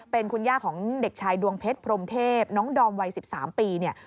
เป็นคุณย่าของเด็กชายดวงเพชรพรมเทพน้องดอมวัย๑๓ปีเนี่ย